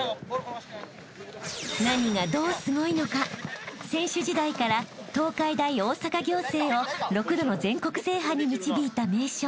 ［何がどうすごいのか選手時代から東海大大阪仰星を６度の全国制覇に導いた名将